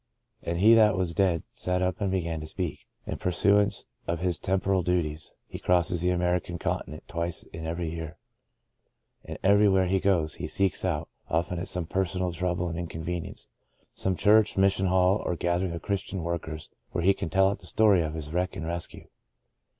" And he that was dead sat up and began to speak." In pursuance of his temporal duties, he crosses the American continent twice in every year. And everywhere he goes, he seeks out — often at some personal trouble and inconvenience — some church, mission hall or gathering of Christian work ers where he can tell out the story of his wreck and rescue.